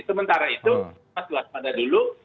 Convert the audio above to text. sementara itu mas waspada dulu